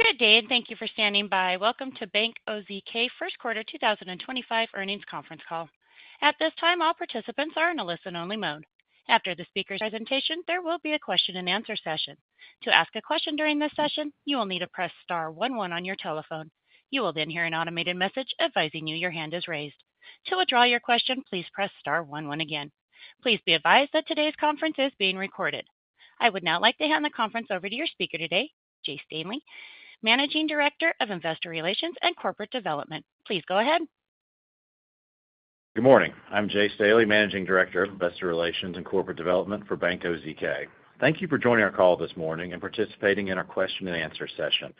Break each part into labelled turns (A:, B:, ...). A: Good day, and thank you for standing by. Welcome to Bank OZK first quarter 2025 earnings conference call. At this time, all participants are in a listen-only mode. After the speaker's presentation, there will be a question-and-answer session. To ask a question during this session, you will need to press star one one on your telephone. You will then hear an automated message advising you your hand is raised. To withdraw your question, please press star one one again. Please be advised that today's conference is being recorded. I would now like to hand the conference over to your speaker today, Jay Staley, Managing Director of Investor Relations and Corporate Development. Please go ahead.
B: Good morning. I'm Jay Staley, Managing Director of Investor Relations and Corporate Development for Bank OZK. Thank you for joining our call this morning and participating in our question-and-answer session.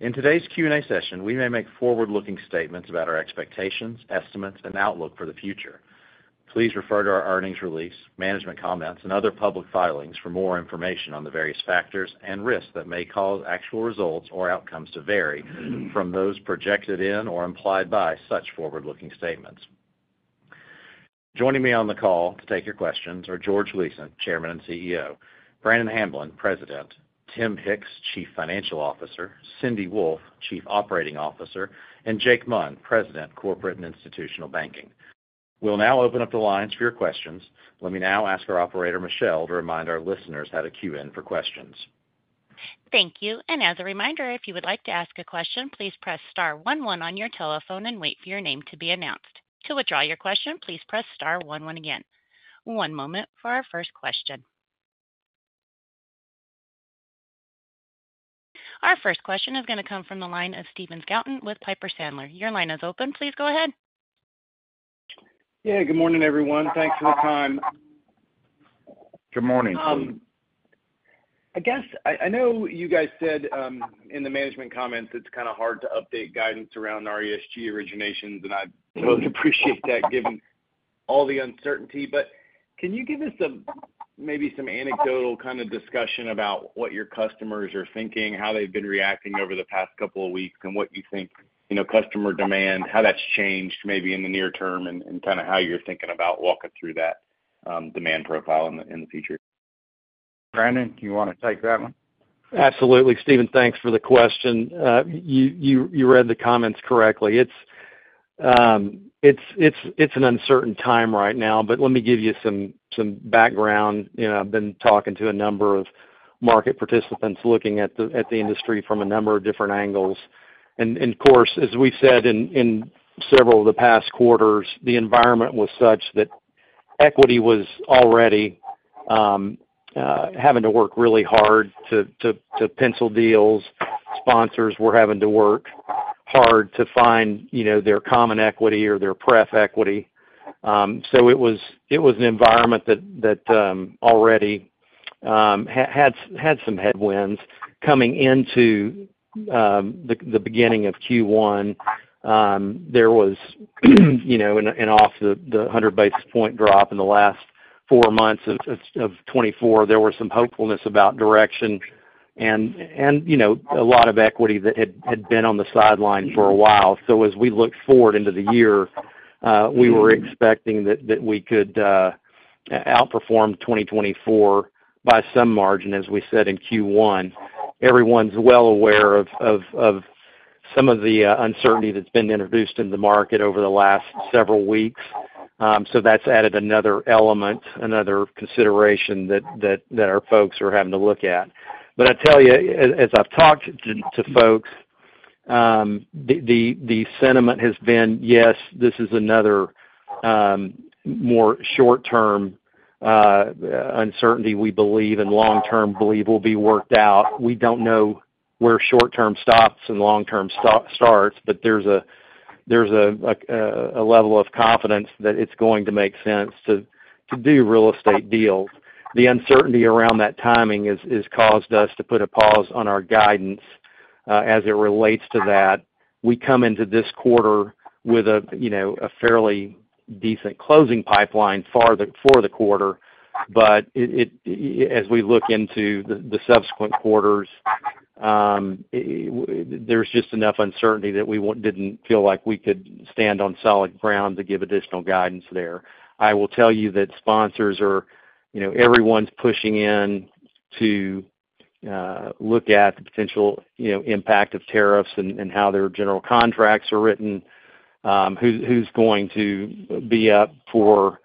B: In today's Q&A session, we may make forward-looking statements about our expectations, estimates, and outlook for the future. Please refer to our earnings release, management comments, and other public filings for more information on the various factors and risks that may cause actual results or outcomes to vary from those projected in or implied by such forward-looking statements. Joining me on the call to take your questions are George Gleason, Chairman and CEO; Brannon Hamblen, President; Tim Hicks, Chief Financial Officer; Cindy Wolfe, Chief Operating Officer; and Jake Munn, President, Corporate and Institutional Banking. We'll now open up the lines for your questions. Let me now ask our operator, Michelle, to remind our listeners how to queue in for questions.
A: Thank you. As a reminder, if you would like to ask a question, please press star one one on your telephone and wait for your name to be announced. To withdraw your question, please press star one one again. One moment for our first question. Our first question is going to come from the line of Stephen Scouten with Piper Sandler. Your line is open. Please go ahead.
C: Yeah, good morning, everyone. Thanks for the time.
D: Good morning.
C: I know you guys said in the management comments it's kind of hard to update guidance around our ESG originations, and I totally appreciate that given all the uncertainty. Can you give us maybe some anecdotal kind of discussion about what your customers are thinking, how they've been reacting over the past couple of weeks, and what you think customer demand, how that's changed maybe in the near term, and kind of how you're thinking about walking through that demand profile in the future?
D: Brannon, do you want to take that one?
E: Absolutely. Stephen, thanks for the question. You read the comments correctly. It is an uncertain time right now, but let me give you some background. I have been talking to a number of market participants looking at the industry from a number of different angles. Of course, as we have said in several of the past quarters, the environment was such that equity was already having to work really hard to pencil deals. Sponsors were having to work hard to find their common equity or their pref equity. It was an environment that already had some headwinds. Coming into the beginning of Q1, there was an off-the-100-basis-point drop in the last four months of 2024. There was some hopefulness about direction and a lot of equity that had been on the sideline for a while. As we looked forward into the year, we were expecting that we could outperform 2024 by some margin, as we said in Q1. Everyone's well aware of some of the uncertainty that's been introduced in the market over the last several weeks. That has added another element, another consideration that our folks are having to look at. I tell you, as I've talked to folks, the sentiment has been, yes, this is another more short-term uncertainty we believe, and long-term believe will be worked out. We don't know where short-term stops and long-term starts, but there's a level of confidence that it's going to make sense to do real estate deals. The uncertainty around that timing has caused us to put a pause on our guidance as it relates to that. We come into this quarter with a fairly decent closing pipeline for the quarter, but as we look into the subsequent quarters, there is just enough uncertainty that we did not feel like we could stand on solid ground to give additional guidance there. I will tell you that sponsors are—everyone is pushing in to look at the potential impact of tariffs and how their general contracts are written, who is going to be up for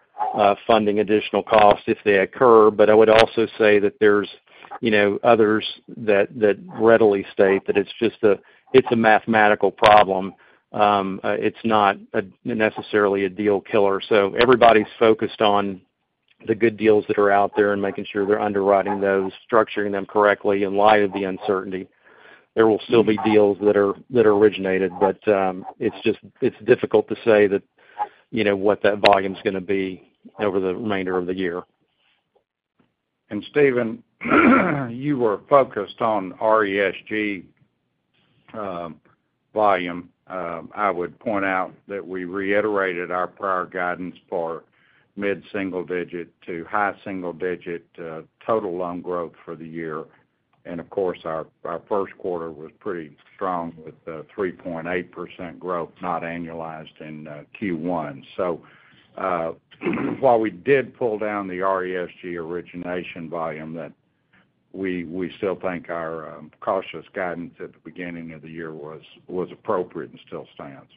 E: funding additional costs if they occur. I would also say that there are others that readily state that it is just a mathematical problem. It is not necessarily a deal killer. Everybody is focused on the good deals that are out there and making sure they are underwriting those, structuring them correctly in light of the uncertainty. There will still be deals that are originated, but it's difficult to say what that volume's going to be over the remainder of the year.
D: Stephen, you were focused on RESG volume. I would point out that we reiterated our prior guidance for mid-single digit to high single digit total loan growth for the year. Of course, our first quarter was pretty strong with 3.8% growth, not annualized in Q1. While we did pull down the RESG origination volume, we still think our cautious guidance at the beginning of the year was appropriate and still stands.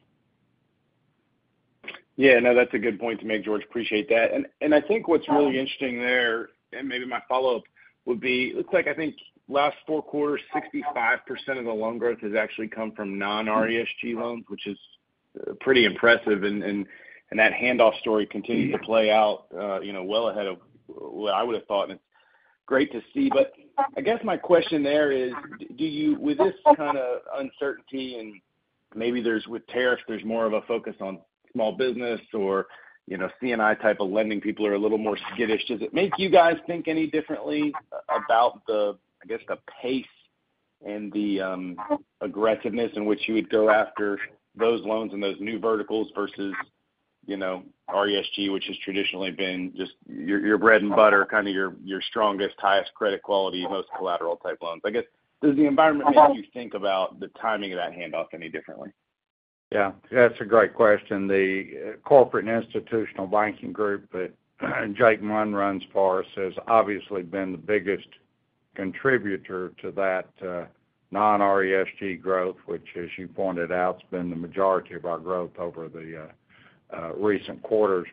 C: Yeah, no, that's a good point to make, George. Appreciate that. I think what's really interesting there, and maybe my follow-up would be, it looks like I think last four quarters, 65% of the loan growth has actually come from non-RESG loans, which is pretty impressive. That handoff story continues to play out well ahead of what I would have thought. It's great to see. I guess my question there is, with this kind of uncertainty and maybe with tariffs, there's more of a focus on small business or C&I type of lending, people are a little more skittish. Does it make you guys think any differently about, I guess, the pace and the aggressiveness in which you would go after those loans and those new verticals versus RESG, which has traditionally been just your bread and butter, kind of your strongest, highest credit quality, most collateral type loans? I guess, does the environment make you think about the timing of that handoff any differently?
D: Yeah, that's a great question. The corporate and institutional banking group that Jake Munn runs for us has obviously been the biggest contributor to that non-RESG growth, which, as you pointed out, has been the majority of our growth over the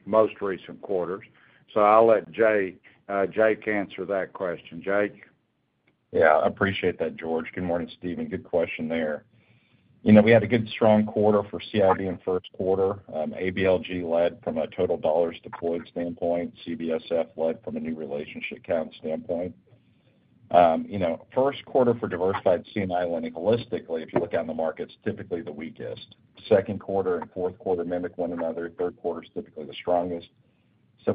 D: most recent quarters. I'll let Jake answer that question. Jake?
F: Yeah, I appreciate that, George. Good morning, Stephen. Good question there. We had a good, strong quarter for CIB in first quarter. ABLG led from a total dollars deployed standpoint. CBSF led from a new relationship account standpoint. First quarter for diversified C&I lending holistically, if you look at the markets, typically the weakest. Second quarter and fourth quarter mimic one another. Third quarter is typically the strongest.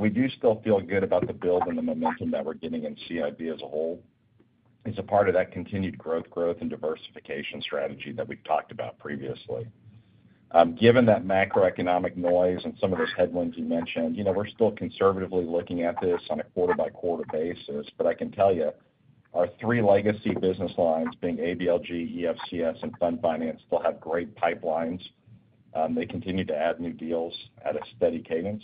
F: We do still feel good about the build and the momentum that we're getting in CIB as a whole as a part of that continued growth, growth, and diversification strategy that we've talked about previously. Given that macroeconomic noise and some of those headwinds you mentioned, we're still conservatively looking at this on a quarter-by-quarter basis. I can tell you, our three legacy business lines, being ABLG, EFCS, and Fund Finance, still have great pipelines. They continue to add new deals at a steady cadence.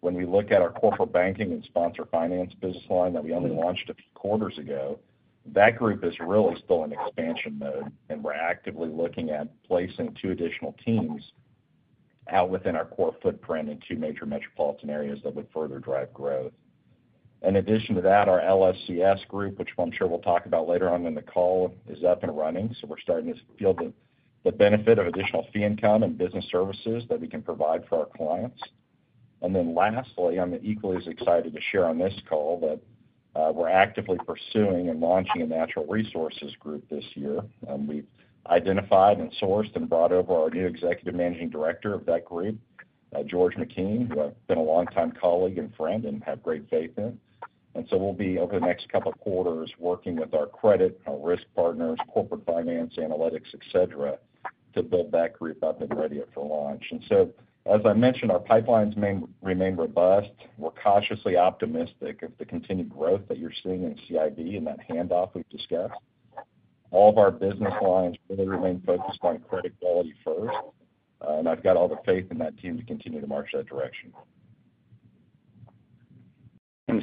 F: When we look at our corporate banking and sponsor finance business line that we only launched a few quarters ago, that group is really still in expansion mode, and we're actively looking at placing two additional teams out within our core footprint in two major metropolitan areas that would further drive growth. In addition to that, our LSCS group, which I'm sure we'll talk about later on in the call, is up and running. We are starting to feel the benefit of additional fee income and business services that we can provide for our clients. Lastly, I'm equally as excited to share on this call that we're actively pursuing and launching a natural resources group this year. We've identified and sourced and brought over our new Executive Managing Director of that group, George McKean, who I've been a longtime colleague and friend and have great faith in. We'll be, over the next couple of quarters, working with our credit, our risk partners, corporate finance, analytics, etc., to build that group up and ready it for launch. As I mentioned, our pipelines remain robust. We're cautiously optimistic of the continued growth that you're seeing in CIB and that handoff we've discussed. All of our business lines really remain focused on credit quality first, and I've got all the faith in that team to continue to march that direction.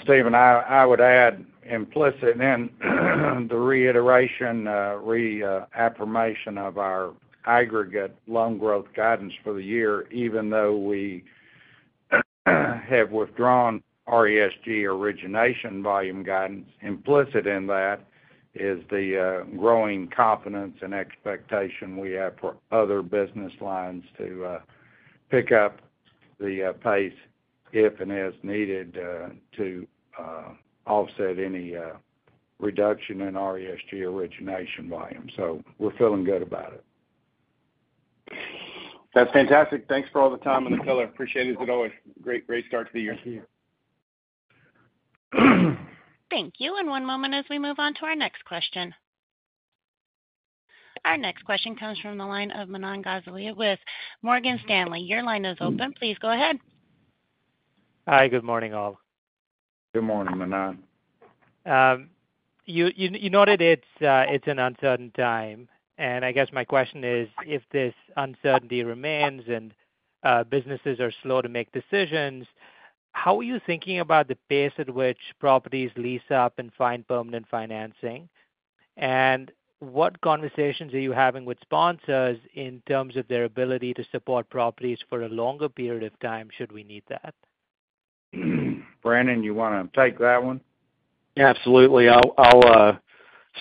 D: Stephen, I would add implicit in the reiteration, reaffirmation of our aggregate loan growth guidance for the year, even though we have withdrawn RESG origination volume guidance. Implicit in that is the growing confidence and expectation we have for other business lines to pick up the pace if and as needed to offset any reduction in RESG origination volume. We are feeling good about it.
C: That's fantastic. Thanks for all the time and the color. Appreciate it as always. Great start to the year.
D: Thank you.
A: Thank you. One moment as we move on to our next question. Our next question comes from the line of Manan Gosalia with Morgan Stanley. Your line is open. Please go ahead.
G: Hi, good morning, all.
D: Good morning, Manan.
G: You noted it's an uncertain time. I guess my question is, if this uncertainty remains and businesses are slow to make decisions, how are you thinking about the pace at which properties lease up and find permanent financing? What conversations are you having with sponsors in terms of their ability to support properties for a longer period of time should we need that?
D: Brannon, you want to take that one?
E: Absolutely. I'll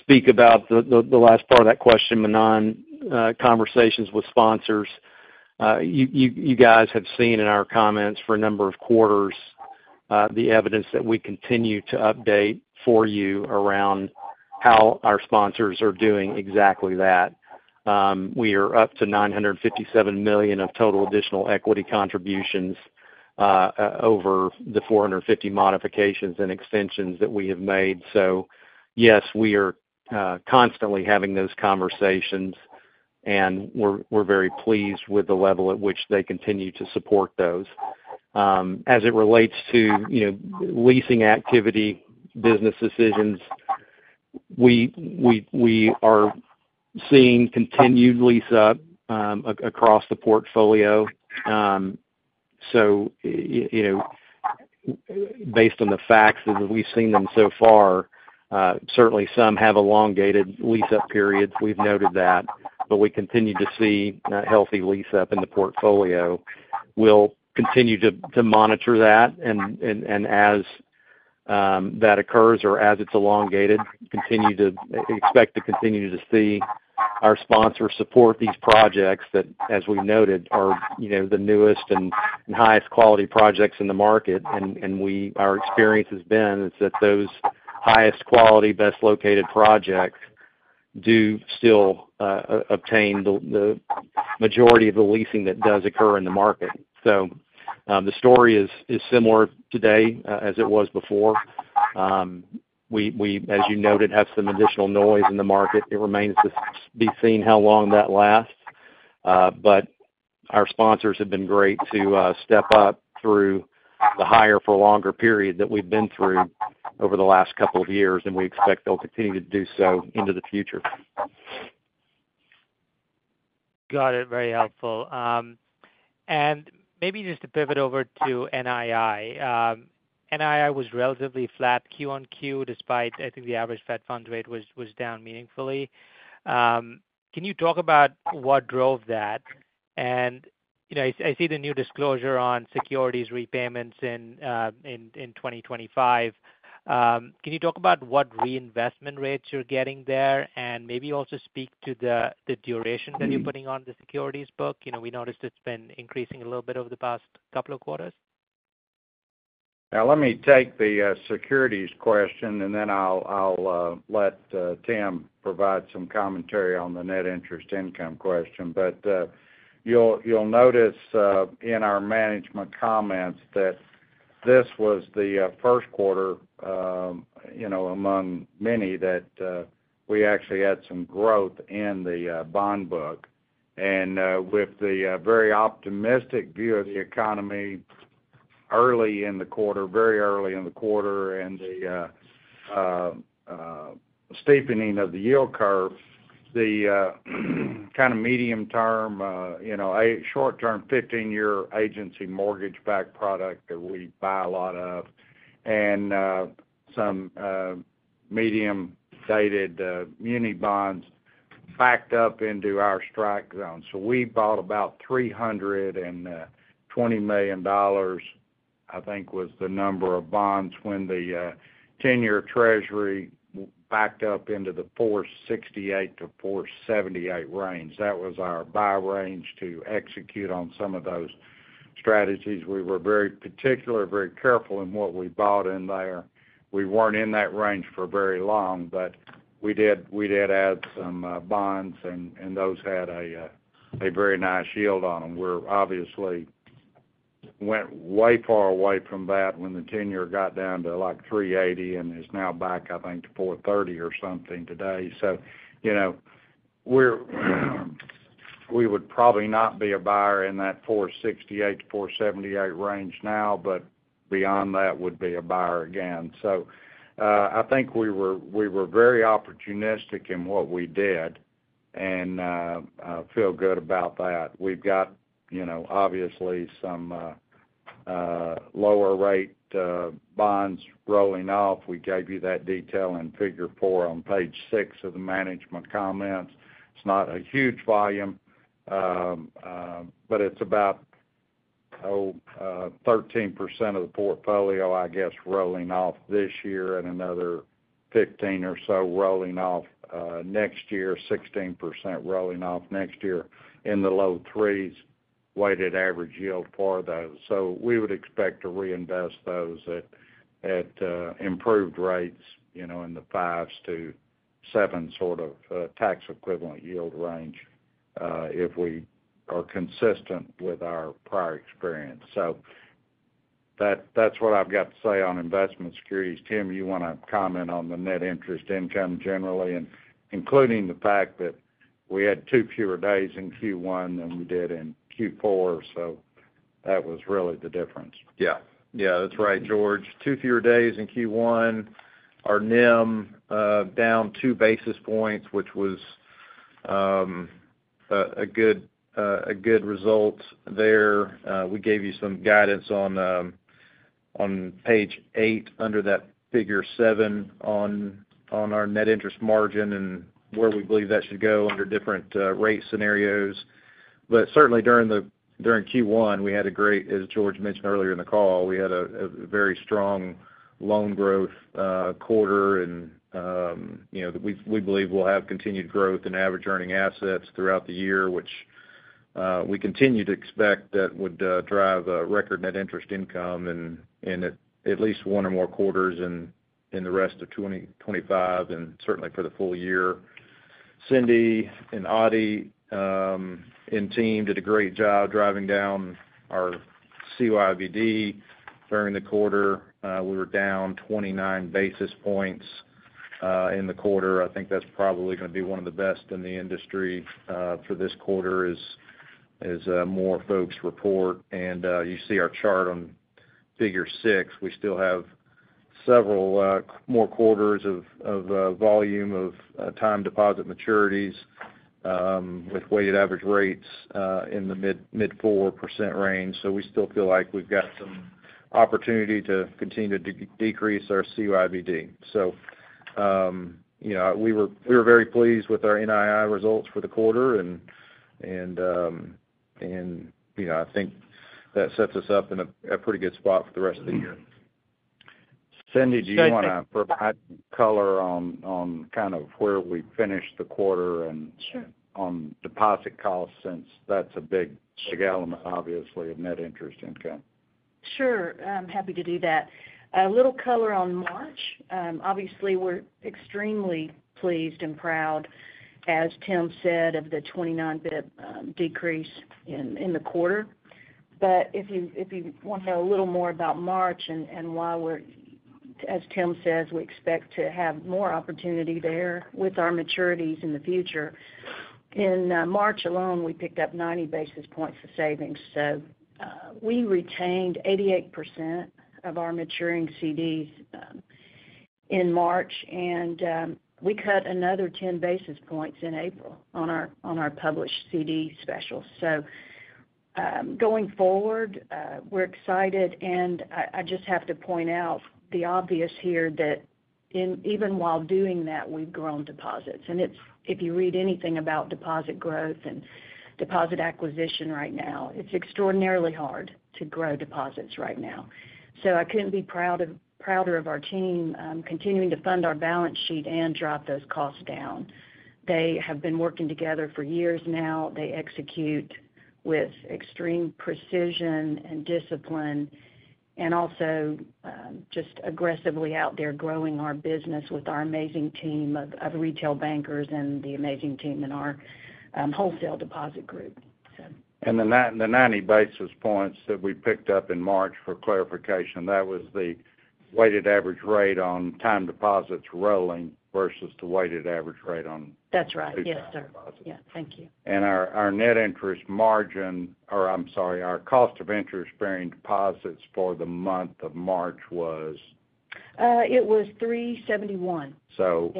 E: speak about the last part of that question, Manan, conversations with sponsors. You guys have seen in our comments for a number of quarters the evidence that we continue to update for you around how our sponsors are doing exactly that. We are up to $957 million of total additional equity contributions over the 450 modifications and extensions that we have made. Yes, we are constantly having those conversations, and we're very pleased with the level at which they continue to support those. As it relates to leasing activity, business decisions, we are seeing continued lease-up across the portfolio. Based on the facts that we've seen them so far, certainly some have elongated lease-up periods. We've noted that, but we continue to see healthy lease-up in the portfolio. We'll continue to monitor that. As that occurs or as it is elongated, expect to continue to see our sponsors support these projects that, as we noted, are the newest and highest quality projects in the market. Our experience has been that those highest quality, best located projects do still obtain the majority of the leasing that does occur in the market. The story is similar today as it was before. We, as you noted, have some additional noise in the market. It remains to be seen how long that lasts. Our sponsors have been great to step up through the higher-for-longer period that we have been through over the last couple of years, and we expect they will continue to do so into the future.
G: Got it. Very helpful. Maybe just to pivot over to NII. NII was relatively flat Q on Q despite, I think, the average Fed funds rate was down meaningfully. Can you talk about what drove that? I see the new disclosure on securities repayments in 2025. Can you talk about what reinvestment rates you're getting there and maybe also speak to the duration that you're putting on the securities book? We noticed it's been increasing a little bit over the past couple of quarters.
D: Now, let me take the securities question, and then I'll let Tim provide some commentary on the net interest income question. You'll notice in our management comments that this was the first quarter among many that we actually had some growth in the bond book. With the very optimistic view of the economy early in the quarter, very early in the quarter, and the steepening of the yield curve, the kind of medium-term, short-term, 15-year agency mortgage-backed product that we buy a lot of, and some medium-dated muni bonds backed up into our strike zone. We bought about $320 million, I think, was the number of bonds when the 10-year treasury backed up into the $468 million-$478 million range. That was our buy range to execute on some of those strategies. We were very particular, very careful in what we bought in there. We were not in that range for very long, but we did add some bonds, and those had a very nice yield on them. We obviously went way far away from that when the 10-year got down to like 3.80% and is now back, I think, to 4.30% or something today. We would probably not be a buyer in that 4.68%-4.78% range now, but beyond that, would be a buyer again. I think we were very opportunistic in what we did and feel good about that. We have, obviously, some lower-rate bonds rolling off. We gave you that detail in figure four on page six of the management comments. It's not a huge volume, but it's about 13% of the portfolio, I guess, rolling off this year and another 15% or so rolling off next year, 16% rolling off next year in the low threes weighted average yield for those. We would expect to reinvest those at improved rates in the 5%-7% sort of tax equivalent yield range if we are consistent with our prior experience. That's what I've got to say on investment securities. Tim, you want to comment on the net interest income generally, including the fact that we had two fewer days in Q1 than we did in Q4. That was really the difference.
H: Yeah. Yeah, that's right, George. Two fewer days in Q1. Our NIM down two basis points, which was a good result there. We gave you some guidance on page eight under that figure seven on our net interest margin and where we believe that should go under different rate scenarios. Certainly, during Q1, we had a great, as George mentioned earlier in the call, we had a very strong loan growth quarter. We believe we'll have continued growth in average earning assets throughout the year, which we continue to expect that would drive record net interest income in at least one or more quarters in the rest of 2025 and certainly for the full year. Cindy and Audie and team did a great job driving down our COIBD during the quarter. We were down 29 basis points in the quarter. I think that's probably going to be one of the best in the industry for this quarter as more folks report. You see our chart on figure six. We still have several more quarters of volume of time deposit maturities with weighted average rates in the mid 4% range. We still feel like we've got some opportunity to continue to decrease our COIBD. We were very pleased with our NII results for the quarter. I think that sets us up in a pretty good spot for the rest of the year. Cindy, do you want to provide some color on kind of where we finished the quarter and on deposit costs since that's a big element, obviously, of net interest income?
I: Sure. I'm happy to do that. A little color on March. Obviously, we're extremely pleased and proud, as Tim said, of the 29 basis point decrease in the quarter. If you want to know a little more about March and why we're, as Tim says, we expect to have more opportunity there with our maturities in the future. In March alone, we picked up 90 basis points of savings. We retained 88% of our maturing CDs in March, and we cut another 10 basis points in April on our published CD special. Going forward, we're excited. I just have to point out the obvious here that even while doing that, we've grown deposits. If you read anything about deposit growth and deposit acquisition right now, it's extraordinarily hard to grow deposits right now. I could not be prouder of our team continuing to fund our balance sheet and drop those costs down. They have been working together for years now. They execute with extreme precision and discipline and also just aggressively out there growing our business with our amazing team of retail bankers and the amazing team in our wholesale deposit group.
D: The 90 basis points that we picked up in March, for clarification, that was the weighted average rate on time deposits rolling versus the weighted average rate on.
I: That's right. Yes, sir. Yeah. Thank you.
D: Our net interest margin, or I'm sorry, our cost of interest bearing deposits for the month of March was.
I: It was 371.
D: So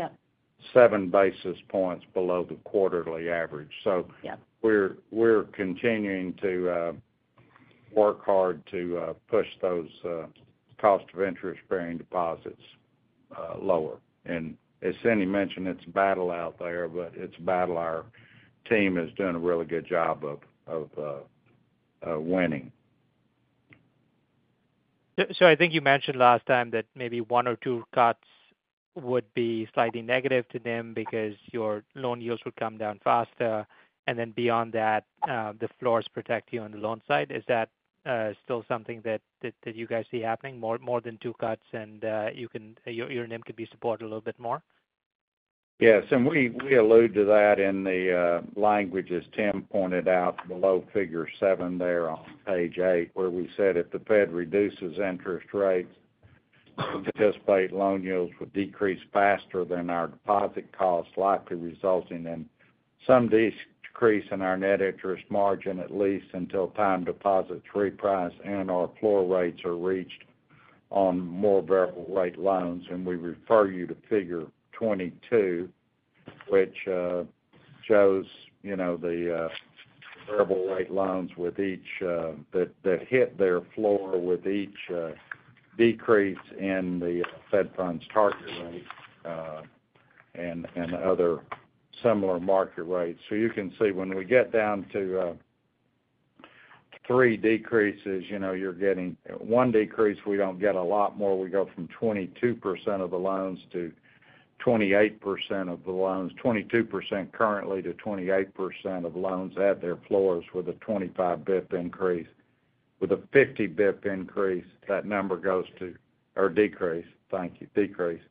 D: 7 basis points below the quarterly average. We are continuing to work hard to push those cost of interest bearing deposits lower. As Cindy mentioned, it is a battle out there, but it is a battle our team is doing a really good job of winning.
G: I think you mentioned last time that maybe one or two cuts would be slightly negative to them because your loan yields would come down faster. And then beyond that, the floors protect you on the loan side. Is that still something that you guys see happening? More than two cuts and your NIM could be supported a little bit more?
D: Yes. We alluded to that in the language as Tim pointed out below figure seven there on page eight, where we said if the Fed reduces interest rates, anticipate loan yields would decrease faster than our deposit costs, likely resulting in some decrease in our net interest margin at least until time deposits reprice and our floor rates are reached on more variable rate loans. We refer you to figure 22, which shows the variable rate loans that hit their floor with each decrease in the Fed funds target rate and other similar market rates. You can see when we get down to three decreases, you're getting one decrease, we don't get a lot more. We go from 22% of the loans to 28% of the loans, 22% currently to 28% of loans at their floors with a 25 basis point increase. With a 50 basis point increase, that number goes to or decrease. Thank you. Decrease.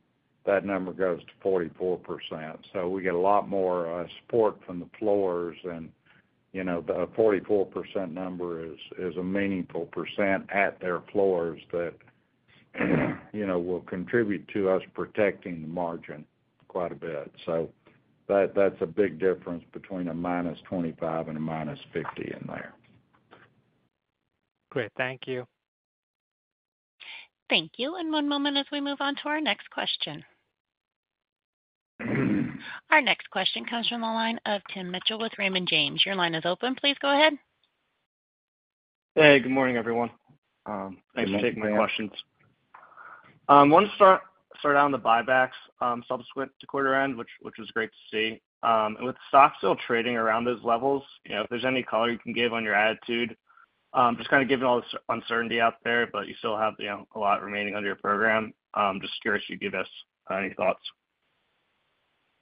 D: That number goes to 44%. We get a lot more support from the floors. The 44% number is a meaningful percent at their floors that will contribute to us protecting the margin quite a bit. That is a big difference between a -25% and a -50% in there.
G: Great. Thank you.
A: Thank you. One moment as we move on to our next question. Our next question comes from the line of Tim Mitchell with Raymond James. Your line is open. Please go ahead.
J: Hey, good morning, everyone. Thanks for taking my questions. I want to start out on the buybacks subsequent to quarter end, which was great to see. With stocks still trading around those levels, if there's any color you can give on your attitude, just kind of given all this uncertainty out there, but you still have a lot remaining under your program. Just curious if you give us any thoughts.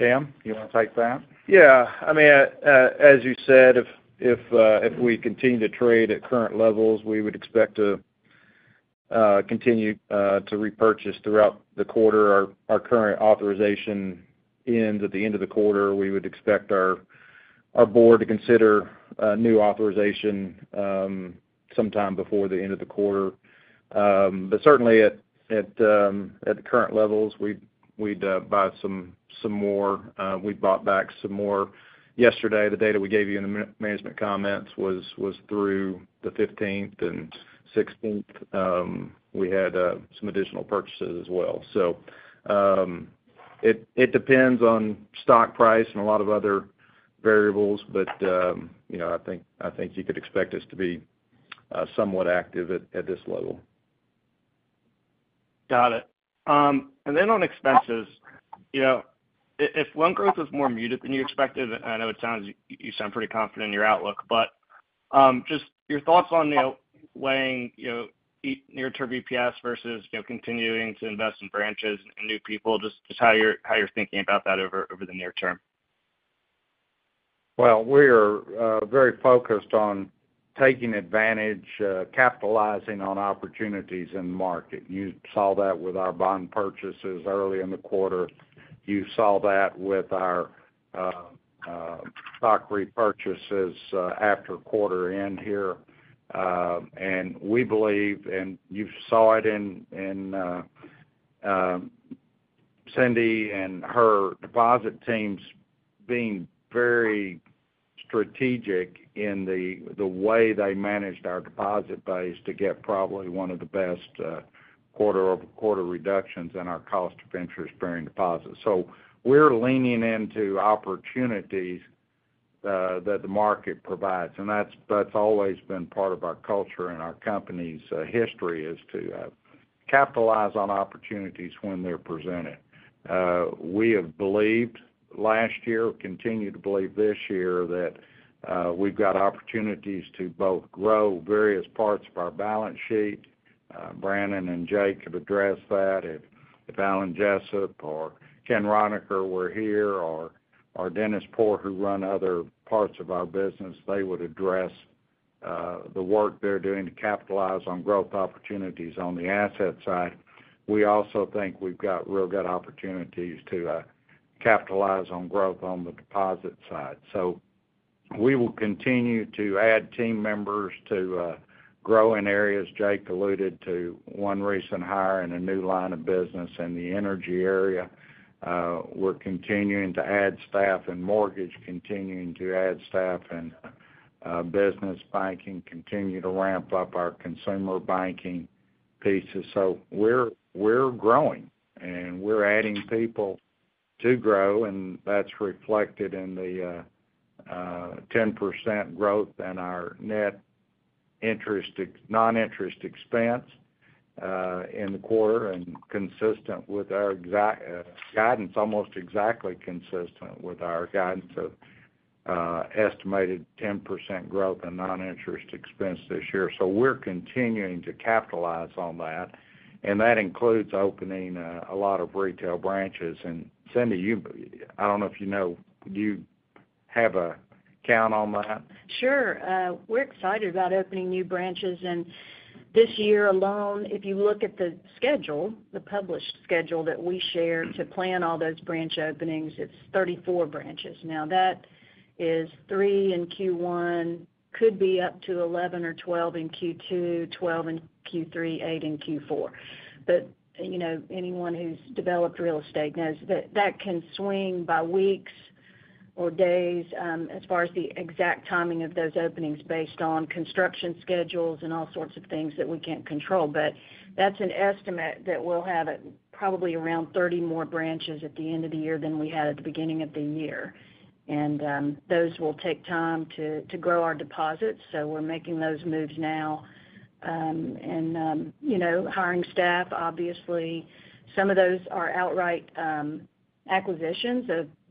D: Tim, you want to take that?
H: Yeah. I mean, as you said, if we continue to trade at current levels, we would expect to continue to repurchase throughout the quarter. Our current authorization ends at the end of the quarter. We would expect our board to consider a new authorization sometime before the end of the quarter. Certainly, at the current levels, we'd buy some more. We bought back some more yesterday. The data we gave you in the management comments was through the 15th and 16th. We had some additional purchases as well. It depends on stock price and a lot of other variables, but I think you could expect us to be somewhat active at this level.
J: Got it. On expenses, if loan growth was more muted than you expected, I know it sounds you sound pretty confident in your outlook, but just your thoughts on weighing near-term EPS versus continuing to invest in branches and new people, just how you're thinking about that over the near term?
D: We are very focused on taking advantage, capitalizing on opportunities in the market. You saw that with our bond purchases early in the quarter. You saw that with our stock repurchases after quarter end here. You saw it in Cindy and her deposit teams being very strategic in the way they managed our deposit base to get probably one of the best quarter-over-quarter reductions in our cost of interest bearing deposits. We are leaning into opportunities that the market provides. That has always been part of our culture and our company's history, to capitalize on opportunities when they are presented. We have believed last year, continue to believe this year that we have got opportunities to both grow various parts of our balance sheet. Brannon and Jake have addressed that. If Alan Jessup or Ken Ronecker were here or Dennis Poer, who run other parts of our business, they would address the work they're doing to capitalize on growth opportunities on the asset side. We also think we've got real good opportunities to capitalize on growth on the deposit side. We will continue to add team members to grow in areas. Jake alluded to one recent hire and a new line of business in the energy area. We're continuing to add staff in mortgage, continuing to add staff in business banking, continue to ramp up our consumer banking pieces. We're growing and we're adding people to grow, and that's reflected in the 10% growth in our net non-interest expense in the quarter and consistent with our guidance, almost exactly consistent with our guidance of estimated 10% growth in non-interest expense this year. We're continuing to capitalize on that. That includes opening a lot of retail branches. Cindy, I don't know if you know, do you have a count on that?
I: Sure. We're excited about opening new branches. This year alone, if you look at the schedule, the published schedule that we shared to plan all those branch openings, it's 34 branches. That is three in Q1, could be up to 11 or 12 in Q2, 12 in Q3, 8 in Q4. Anyone who's developed real estate knows that can swing by weeks or days as far as the exact timing of those openings based on construction schedules and all sorts of things that we can't control. That's an estimate that we'll have probably around 30 more branches at the end of the year than we had at the beginning of the year. Those will take time to grow our deposits. We're making those moves now and hiring staff. Obviously, some of those are outright acquisitions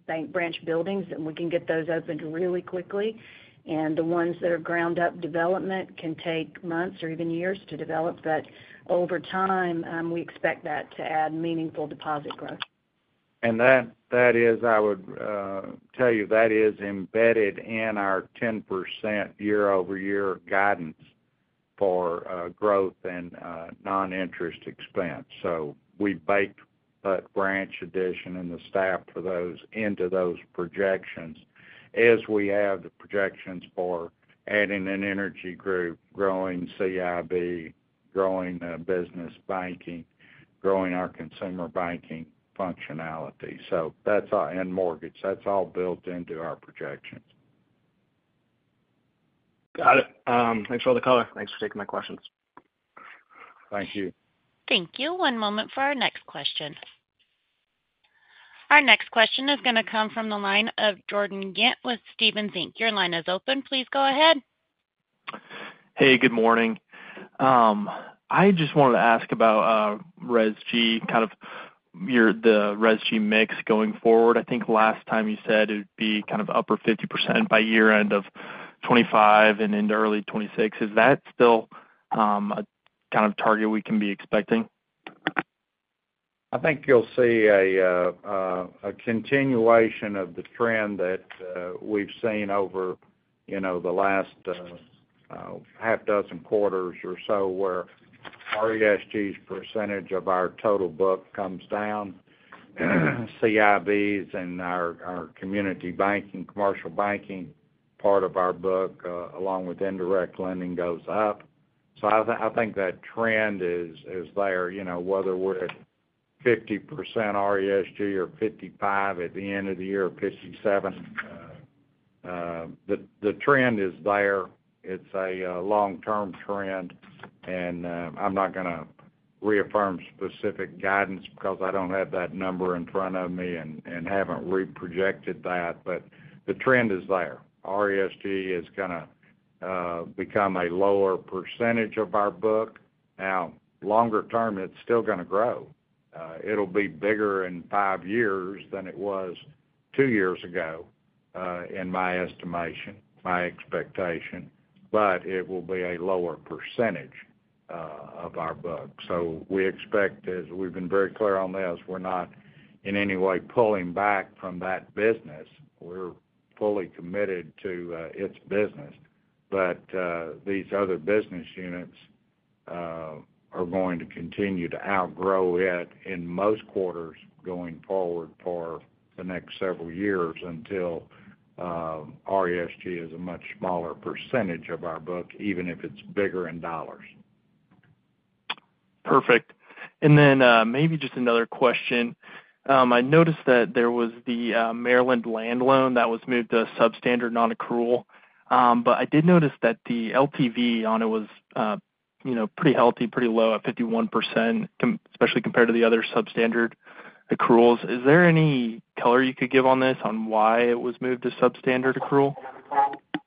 I: of branch buildings, and we can get those opened really quickly. The ones that are ground-up development can take months or even years to develop. Over time, we expect that to add meaningful deposit growth.
D: That is, I would tell you, that is embedded in our 10% year-over-year guidance for growth in non-interest expense. We baked that branch addition and the staff for those into those projections as we have the projections for adding an energy group, growing CIB, growing business banking, growing our consumer banking functionality. Mortgage, that's all built into our projections.
J: Got it. Thanks for all the color. Thanks for taking my questions.
D: Thank you.
A: Thank you. One moment for our next question. Our next question is going to come from the line of Jordan Ghent with Stephens Inc. Your line is open. Please go ahead.
K: Hey, good morning. I just wanted to ask about RESG, kind of the RESG mix going forward. I think last time you said it would be kind of upper 50% by year-end of 2025 and into early 2026. Is that still a kind of target we can be expecting?
D: I think you'll see a continuation of the trend that we've seen over the last half dozen quarters or so where RESG percentage of our total book comes down. CIBs and our community banking, commercial banking part of our book, along with indirect lending, goes up. I think that trend is there, whether we're at 50% RESG or 55% at the end of the year or 57%. The trend is there. It's a long-term trend. I'm not going to reaffirm specific guidance because I don't have that number in front of me and haven't reprojected that. The trend is there. RESG is going to become a lower percentage of our book. Now, longer term, it's still going to grow. It'll be bigger in five years than it was two years ago in my estimation, my expectation. It will be a lower percentage of our book. We expect, as we've been very clear on this, we're not in any way pulling back from that business. We're fully committed to its business. These other business units are going to continue to outgrow it in most quarters going forward for the next several years until RESG is a much smaller percentage of our book, even if it's bigger in dollars.
K: Perfect. Maybe just another question. I noticed that there was the Maryland land loan that was moved to substandard non-accrual. I did notice that the LTV on it was pretty healthy, pretty low at 51%, especially compared to the other substandard accruals. Is there any color you could give on this on why it was moved to substandard accrual?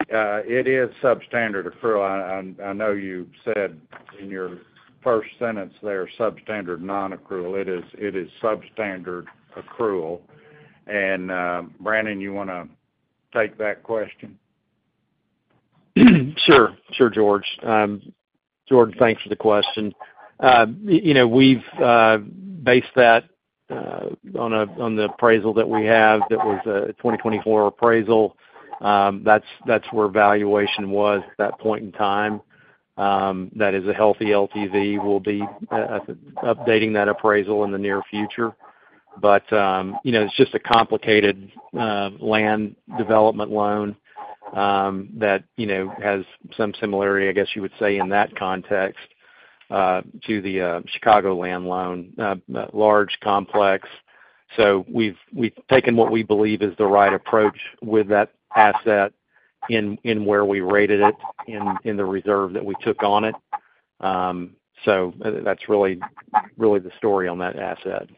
D: It is substandard accrual. I know you said in your first sentence there, substandard non-accrual. It is substandard accrual. Brandon, you want to take that question?
E: Sure. Sure, George. George, thanks for the question. We've based that on the appraisal that we have that was a 2024 appraisal. That's where valuation was at that point in time. That is a healthy LTV. We'll be updating that appraisal in the near future. It's just a complicated land development loan that has some similarity, I guess you would say in that context to the Chicago land loan, large, complex. We've taken what we believe is the right approach with that asset in where we rated it in the reserve that we took on it. That's really the story on that asset.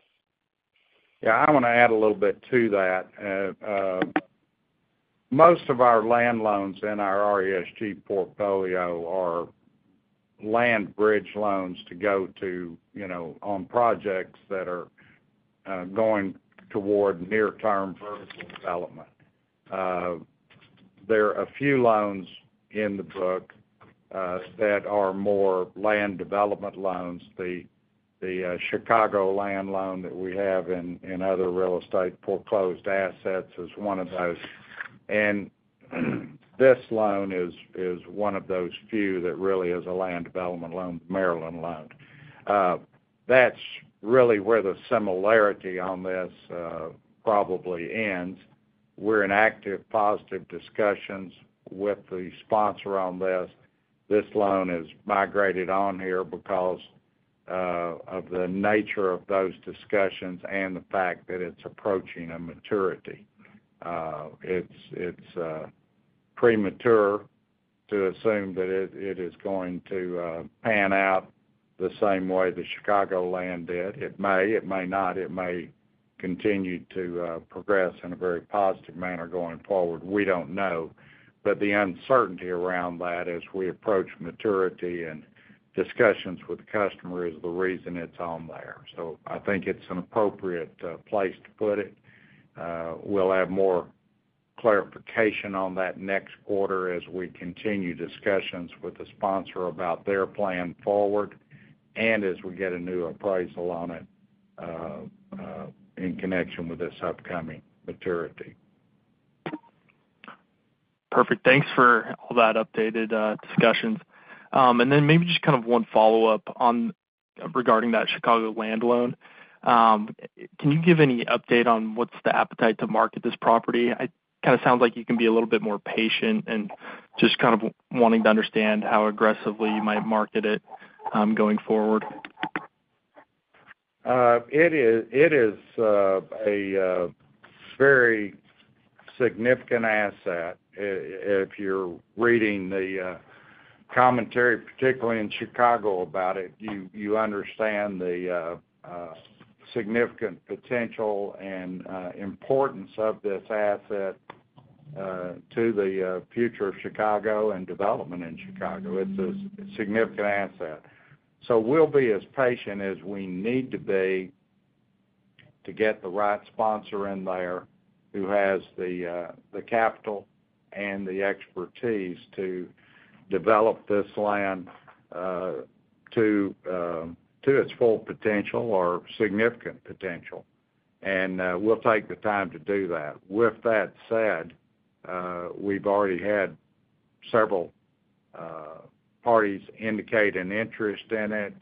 D: Yeah. I want to add a little bit to that. Most of our land loans in our RESG portfolio are land bridge loans to go to on projects that are going toward near-term vertical development. There are a few loans in the book that are more land development loans. The Chicago land loan that we have in other real estate foreclosed assets is one of those. This loan is one of those few that really is a land development loan, Maryland loan. That's really where the similarity on this probably ends. We're in active positive discussions with the sponsor on this. This loan is migrated on here because of the nature of those discussions and the fact that it's approaching a maturity. It's premature to assume that it is going to pan out the same way the Chicago land did. It may. It may not. It may continue to progress in a very positive manner going forward. We do not know. The uncertainty around that as we approach maturity and discussions with the customer is the reason it is on there. I think it is an appropriate place to put it. We will have more clarification on that next quarter as we continue discussions with the sponsor about their plan forward and as we get a new appraisal on it in connection with this upcoming maturity.
K: Perfect. Thanks for all that updated discussions. Maybe just kind of one follow-up regarding that Chicago land loan. Can you give any update on what's the appetite to market this property? It kind of sounds like you can be a little bit more patient and just kind of wanting to understand how aggressively you might market it going forward.
D: It is a very significant asset. If you're reading the commentary, particularly in Chicago about it, you understand the significant potential and importance of this asset to the future of Chicago and development in Chicago. It's a significant asset. We will be as patient as we need to be to get the right sponsor in there who has the capital and the expertise to develop this land to its full potential or significant potential. We will take the time to do that. With that said, we've already had several parties indicate an interest in it,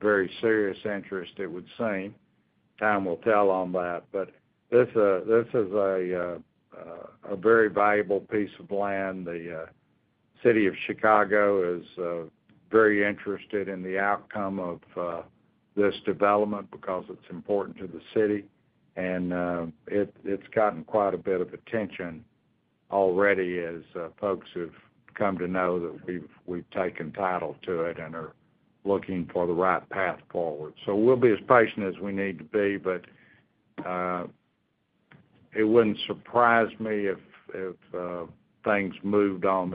D: very serious interest, it would seem. Time will tell on that. This is a very valuable piece of land. The City of Chicago is very interested in the outcome of this development because it's important to the city. It has gotten quite a bit of attention already as folks have come to know that we have taken title to it and are looking for the right path forward. We will be as patient as we need to be. It would not surprise me if things moved on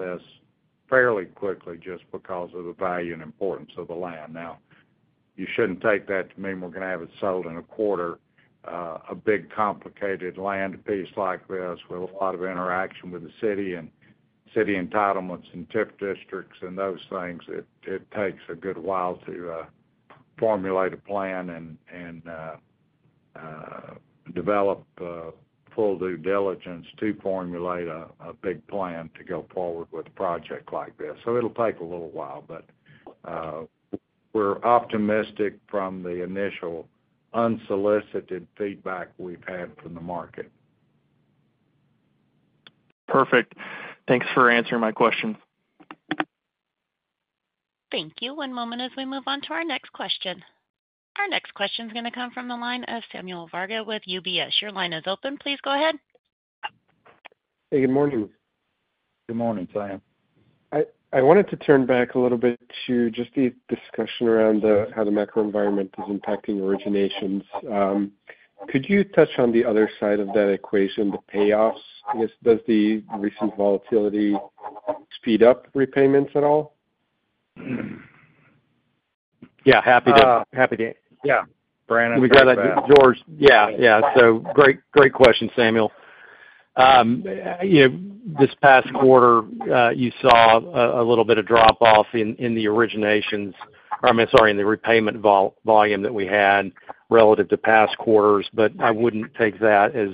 D: this fairly quickly just because of the value and importance of the land. You should not take that to mean we are going to have it sold in a quarter. A big complicated land piece like this with a lot of interaction with the city and city entitlements and TIF districts and those things, it takes a good while to formulate a plan and develop full due diligence to formulate a big plan to go forward with a project like this. It will take a little while. We are optimistic from the initial unsolicited feedback we have had from the market.
K: Perfect. Thanks for answering my questions.
A: Thank you. One moment as we move on to our next question. Our next question is going to come from the line of Samuel Varga with UBS. Your line is open. Please go ahead.
L: Hey, good morning.
D: Good morning, Sam.
L: I wanted to turn back a little bit to just the discussion around how the macro environment is impacting originations. Could you touch on the other side of that equation, the payoffs? I guess, does the recent volatility speed up repayments at all?
E: Yeah. Happy to. Yeah. Brannon?
F: We got to do George.
D: Yeah. Yeah. Great question, Samuel. This past quarter, you saw a little bit of drop-off in the originations or, I mean, sorry, in the repayment volume that we had relative to past quarters. I would not take that as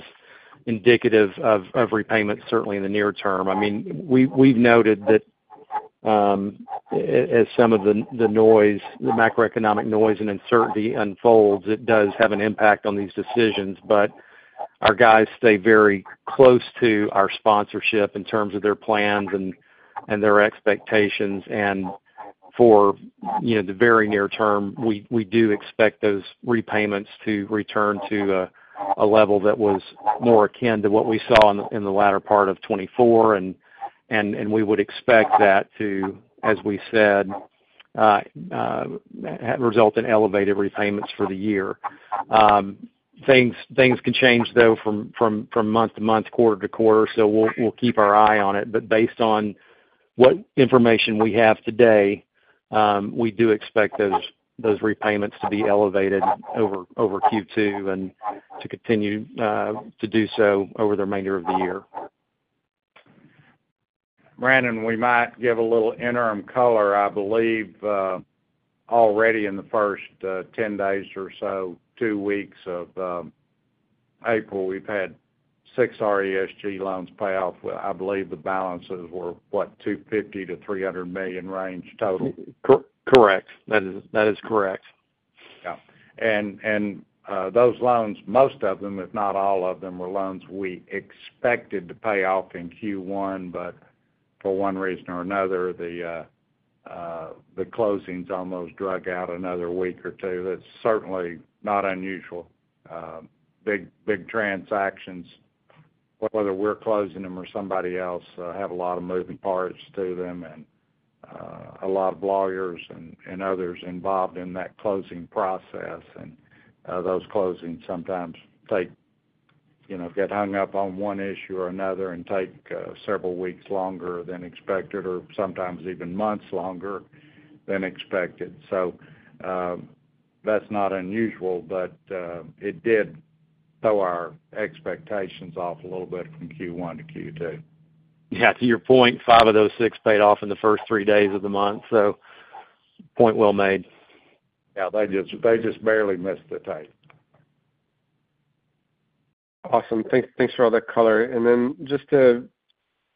D: indicative of repayment, certainly, in the near term. I mean, we've noted that as some of the noise, the macroeconomic noise and uncertainty unfolds, it does have an impact on these decisions. Our guys stay very close to our sponsorship in terms of their plans and their expectations. For the very near term, we do expect those repayments to return to a level that was more akin to what we saw in the latter part of 2024. We would expect that to, as we said, result in elevated repayments for the year. Things can change, though, from month to month, quarter to quarter. We will keep our eye on it. Based on what information we have today, we do expect those repayments to be elevated over Q2 and to continue to do so over the remainder of the year. Brannon, we might give a little interim color, I believe, already in the first 10 days or so, two weeks of April, we've had six RESG loans pay off. I believe the balances were, what, $250 million-$300 million range total?
E: Correct. That is correct.
D: Yeah. Those loans, most of them, if not all of them, were loans we expected to pay off in Q1. For one reason or another, the closings almost dragged out another week or two. That is certainly not unusual. Big transactions, whether we are closing them or somebody else, have a lot of moving parts to them and a lot of lawyers and others involved in that closing process. Those closings sometimes get hung up on one issue or another and take several weeks longer than expected or sometimes even months longer than expected. That is not unusual. It did throw our expectations off a little bit from Q1 to Q2.
E: Yeah. To your point, five of those six paid off in the first three days of the month. So point well made.
D: Yeah. They just barely missed the tape.
L: Awesome. Thanks for all that color. Just a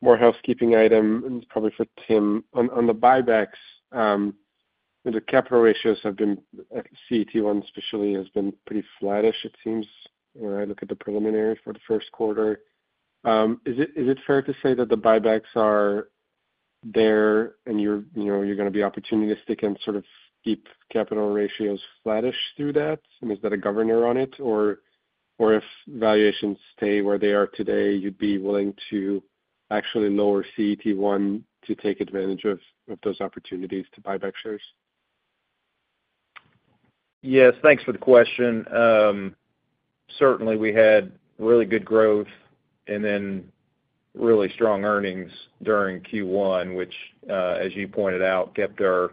L: more housekeeping item, and it's probably for Tim. On the buybacks, the capital ratios have been CET1 especially has been pretty flattish, it seems, when I look at the preliminary for the first quarter. Is it fair to say that the buybacks are there and you're going to be opportunistic and sort of keep capital ratios flattish through that? Is that a governor on it? If valuations stay where they are today, you'd be willing to actually lower CET1 to take advantage of those opportunities to buy back shares?
H: Yes. Thanks for the question. Certainly, we had really good growth and then really strong earnings during Q1, which, as you pointed out, kept our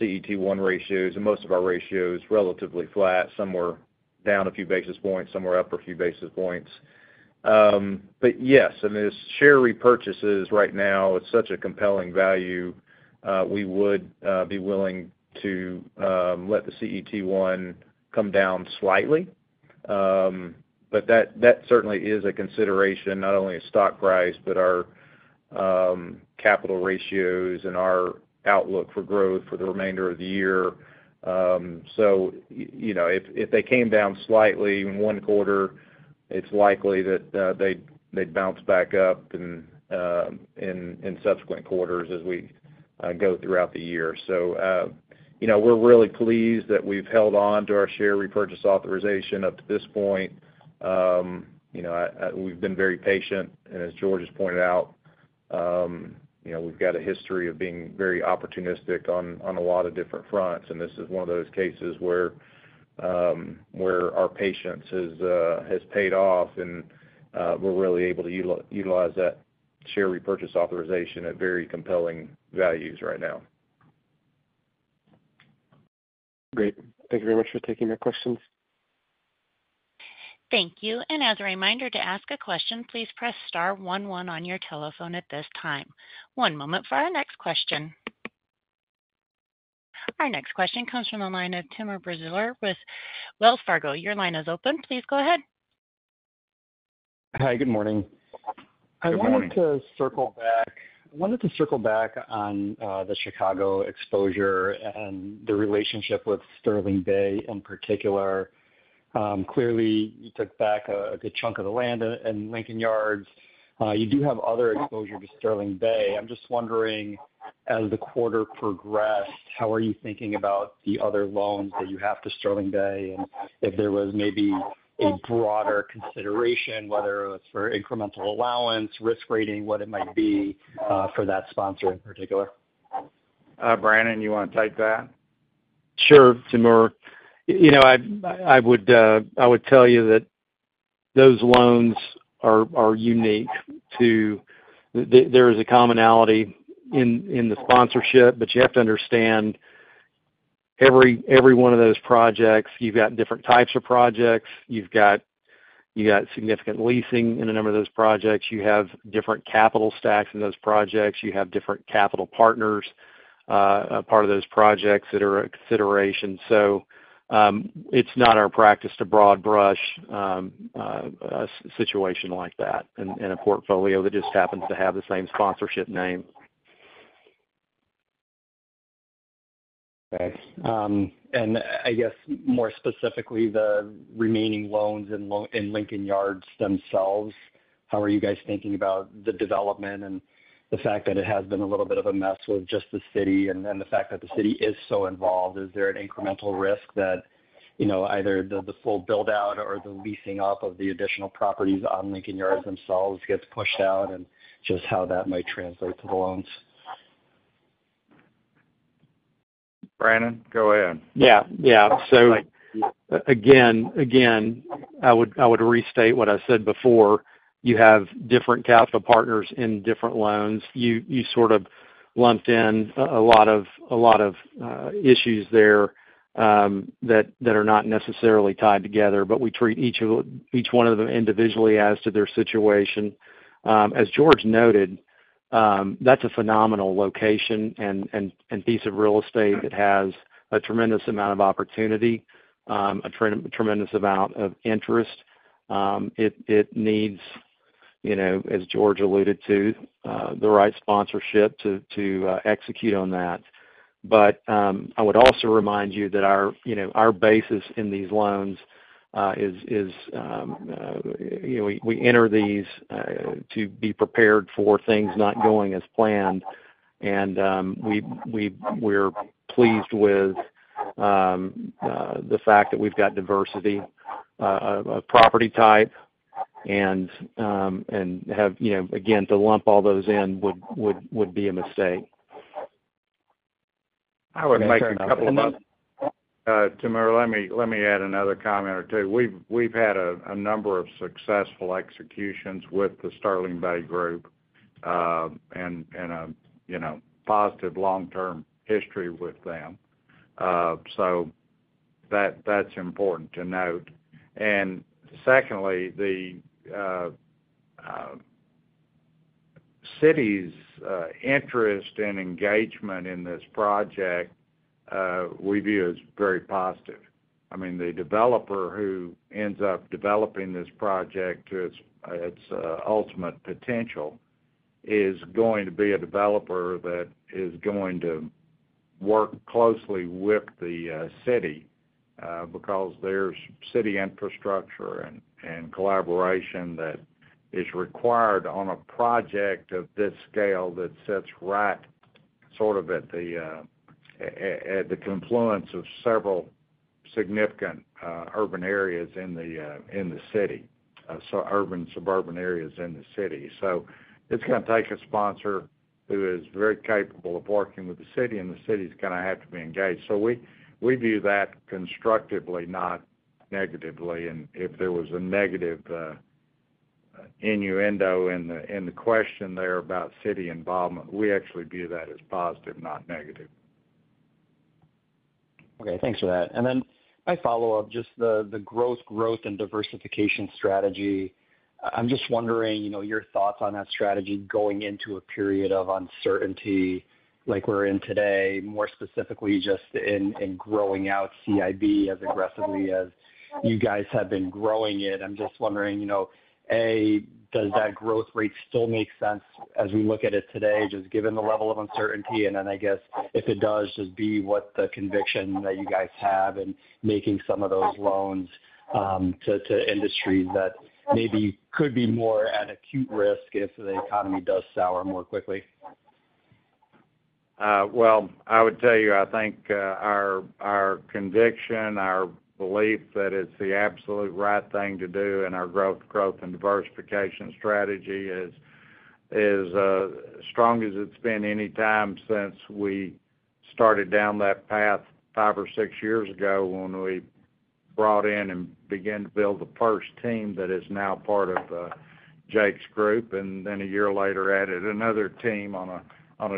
H: CET1 ratios and most of our ratios relatively flat. Some were down a few basis points. Some were up a few basis points. Yes, I mean, as share repurchases right now, it's such a compelling value, we would be willing to let the CET1 come down slightly. That certainly is a consideration, not only a stock price, but our capital ratios and our outlook for growth for the remainder of the year. If they came down slightly in one quarter, it's likely that they'd bounce back up in subsequent quarters as we go throughout the year. We're really pleased that we've held on to our share repurchase authorization up to this point. We've been very patient. As George has pointed out, we've got a history of being very opportunistic on a lot of different fronts. This is one of those cases where our patience has paid off. We're really able to utilize that share repurchase authorization at very compelling values right now.
L: Great. Thank you very much for taking my questions.
A: Thank you. As a reminder, to ask a question, please press star one one on your telephone at this time. One moment for our next question. Our next question comes from the line of Timur Braziller with Wells Fargo. Your line is open. Please go ahead.
M: Hi. Good morning.
D: Hi. Good morning.
M: I wanted to circle back. I wanted to circle back on the Chicago exposure and the relationship with Sterling Bay in particular. Clearly, you took back a good chunk of the land in Lincoln Yards. You do have other exposure to Sterling Bay. I'm just wondering, as the quarter progressed, how are you thinking about the other loans that you have to Sterling Bay and if there was maybe a broader consideration, whether it's for incremental allowance, risk rating, what it might be for that sponsor in particular?
D: Brannon, you want to take that?
E: Sure, Timur. I would tell you that those loans are unique. There is a commonality in the sponsorship, but you have to understand every one of those projects. You've got different types of projects. You've got significant leasing in a number of those projects. You have different capital stacks in those projects. You have different capital partners as part of those projects that are a consideration. It is not our practice to broad brush a situation like that in a portfolio that just happens to have the same sponsorship name.
M: Okay. I guess, more specifically, the remaining loans in Lincoln Yards themselves, how are you guys thinking about the development and the fact that it has been a little bit of a mess with just the city and the fact that the city is so involved? Is there an incremental risk that either the full build-out or the leasing up of the additional properties on Lincoln Yards themselves gets pushed out and just how that might translate to the loans?
D: Brannon, go ahead.
E: Yeah. Yeah. I would restate what I said before. You have different capital partners in different loans. You sort of lumped in a lot of issues there that are not necessarily tied together. We treat each one of them individually as to their situation. As George noted, that is a phenomenal location and piece of real estate that has a tremendous amount of opportunity, a tremendous amount of interest. It needs, as George alluded to, the right sponsorship to execute on that. I would also remind you that our basis in these loans is we enter these to be prepared for things not going as planned. We are pleased with the fact that we have got diversity of property type. Again, to lump all those in would be a mistake.
D: I would make a couple of notes. Timur, let me add another comment or two. We've had a number of successful executions with the Sterling Bay Group and a positive long-term history with them. That's important to note. Secondly, the city's interest and engagement in this project, we view as very positive. I mean, the developer who ends up developing this project to its ultimate potential is going to be a developer that is going to work closely with the city because there's city infrastructure and collaboration that is required on a project of this scale that sits right sort of at the confluence of several significant urban areas in the city, urban suburban areas in the city. It's going to take a sponsor who is very capable of working with the city, and the city's going to have to be engaged. We view that constructively, not negatively. If there was a negative innuendo in the question there about city involvement, we actually view that as positive, not negative.
M: Okay. Thanks for that. My follow-up, just the gross growth and diversification strategy. I'm just wondering your thoughts on that strategy going into a period of uncertainty like we're in today, more specifically just in growing out CIB as aggressively as you guys have been growing it. I'm just wondering, A, does that growth rate still make sense as we look at it today, just given the level of uncertainty? I guess, if it does, just be what the conviction that you guys have in making some of those loans to industries that maybe could be more at acute risk if the economy does sour more quickly?
D: I would tell you, I think our conviction, our belief that it's the absolute right thing to do, and our growth and diversification strategy is as strong as it's been any time since we started down that path five or six years ago when we brought in and began to build the first team that is now part of Jake's Group. A year later, added another team on a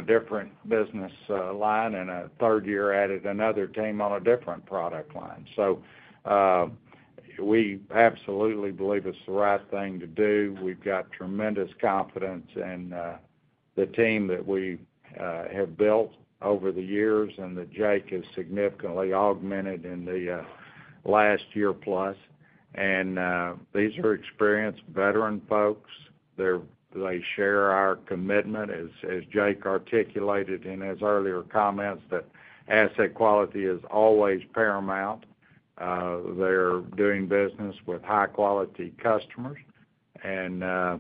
D: different business line. A third year, added another team on a different product line. We absolutely believe it's the right thing to do. We've got tremendous confidence in the team that we have built over the years and that Jake has significantly augmented in the last year plus. These are experienced veteran folks. They share our commitment, as Jake articulated in his earlier comments, that asset quality is always paramount. They're doing business with high-quality customers. I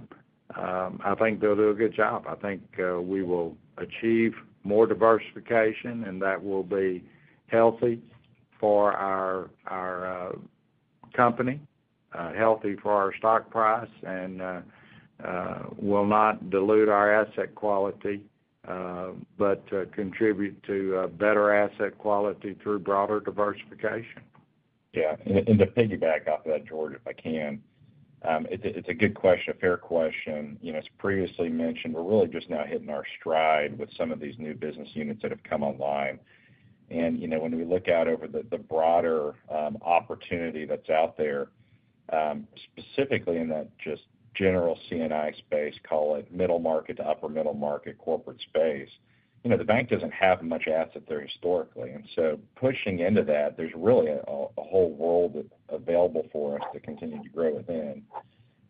D: think they'll do a good job. I think we will achieve more diversification, and that will be healthy for our company, healthy for our stock price, and will not dilute our asset quality but contribute to better asset quality through broader diversification.
F: Yeah. To piggyback off of that, George, if I can, it's a good question, a fair question. As previously mentioned, we're really just now hitting our stride with some of these new business units that have come online. When we look out over the broader opportunity that's out there, specifically in that just general C&I space, call it middle market to upper middle market corporate space, the bank doesn't have much asset there historically. Pushing into that, there's really a whole world available for us to continue to grow within.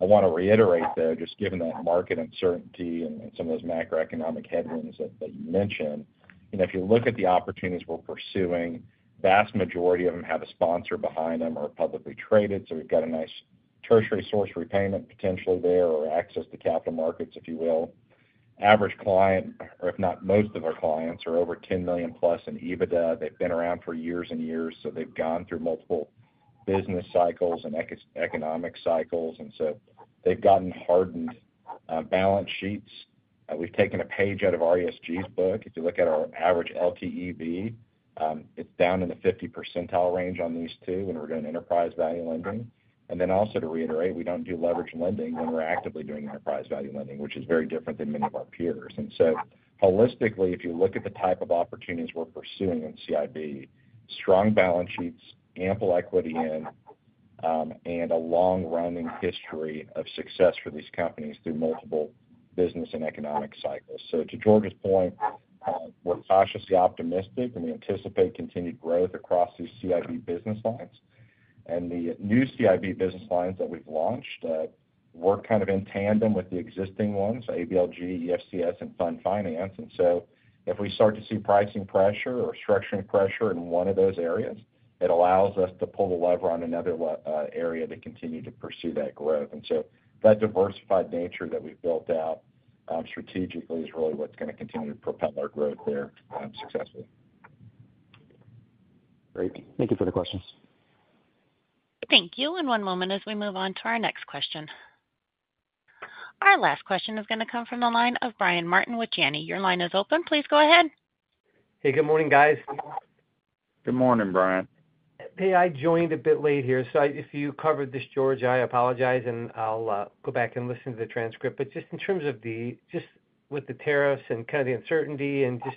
F: I want to reiterate, though, just given that market uncertainty and some of those macroeconomic headwinds that you mentioned, if you look at the opportunities we're pursuing, the vast majority of them have a sponsor behind them or are publicly traded. We have a nice tertiary source repayment potentially there or access to capital markets, if you will. Average client, or if not most of our clients, are over $10 million+ in EBITDA. They have been around for years and years. They have gone through multiple business cycles and economic cycles. They have gotten hardened balance sheets. We have taken a page out of RESG's book. If you look at our average LTEV, it is down in the 50% range on these too when we are doing enterprise value lending. Also, to reiterate, we do not do leverage lending when we are actively doing enterprise value lending, which is very different than many of our peers. Holistically, if you look at the type of opportunities we're pursuing in CIB, strong balance sheets, ample equity in, and a long-running history of success for these companies through multiple business and economic cycles. To George's point, we're cautiously optimistic, and we anticipate continued growth across these CIB business lines. The new CIB business lines that we've launched work kind of in tandem with the existing ones, ABLG, EFCS, and Fund Finance. If we start to see pricing pressure or structuring pressure in one of those areas, it allows us to pull the lever on another area to continue to pursue that growth. That diversified nature that we've built out strategically is really what's going to continue to propel our growth there successfully.
M: Great. Thank you for the questions.
A: Thank you. One moment as we move on to our next question. Our last question is going to come from the line of Brian Martin with Janney. Your line is open. Please go ahead.
N: Hey, good morning, guys.
D: Good morning, Brian.
N: Hey, I joined a bit late here. If you covered this, George, I apologize, and I'll go back and listen to the transcript. Just in terms of just with the tariffs and kind of the uncertainty and just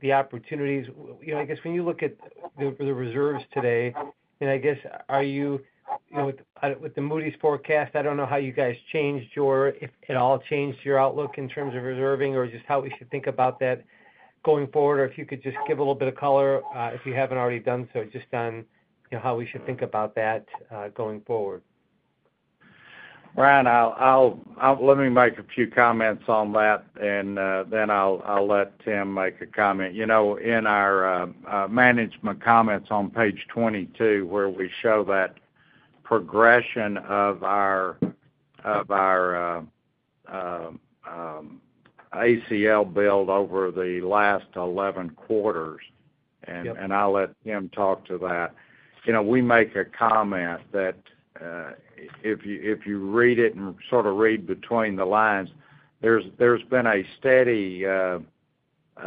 N: the opportunities, I guess when you look at the reserves today, I guess, are you with the Moody's forecast? I don't know how you guys changed or if at all changed your outlook in terms of reserving or just how we should think about that going forward, or if you could just give a little bit of color if you haven't already done so, just on how we should think about that going forward.
D: Brian, let me make a few comments on that, and then I'll let Tim make a comment. In our management comments on page 22, where we show that progression of our ACL build over the last 11 quarters, and I'll let Tim talk to that. We make a comment that if you read it and sort of read between the lines, there's been a steady array